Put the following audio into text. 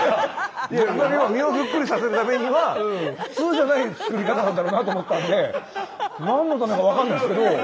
身をぷっくりさせるためには普通じゃない作り方なんだろうなと思ったんで何のためか分かんないっすけど。